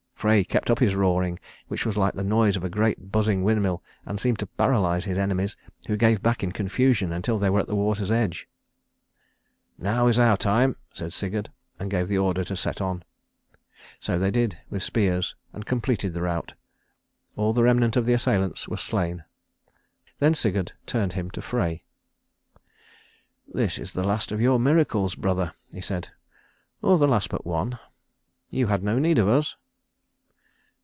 Frey kept up his roaring, which was like the noise of a great buzzing windmill, and seemed to paralyze his enemies, who gave back in confusion until they were at the water's edge. "Now is our time," said Sigurd, and gave the order to set on. So they did, with spears, and completed the rout. All the remnant of the assailants was slain. Then Sigurd turned him to Frey. "This is the last of your miracles, brother," he said, "or the last but one. You had no need of us."